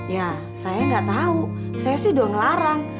ya saya nggak tau saya sudah ngelarang